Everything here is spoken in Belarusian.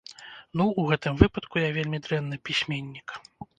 Ну, у гэтым выпадку я вельмі дрэнны пісьменнік.